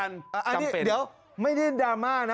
อันนี้เดี๋ยวไม่ได้ดราม่านะ